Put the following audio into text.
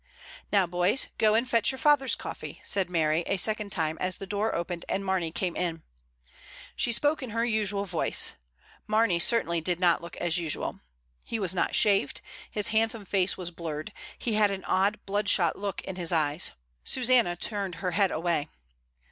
"Now, boys, go and fetch your father's coffiee," said Mary a second time as the door opened, and Marney came in. She spoke in her usual voice. Mamey certainly did not look as usual. He was not shaved, his handsome face was blurred, he had an odd bloodshot look in his eyes. Susanna turned her head away.